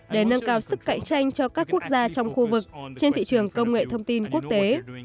để nâng cao sức cạnh tranh cho các quốc gia trong khu vực trên thị trường công nghệ thông tin quốc tế